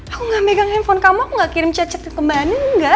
aku gak megang hp kamu aku gak kirim check check ke bandeng gak